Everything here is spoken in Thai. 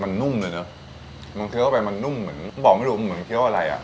มันนุ่มเลยเนอะมันเคี้ยวเข้าไปมันนุ่มเหมือนบอกไม่รู้เหมือนเคี้ยวอะไรอ่ะ